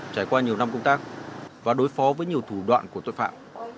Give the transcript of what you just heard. trải qua nhiều năm công tác và đối phó với nhiều thủ đoạn của tội phạm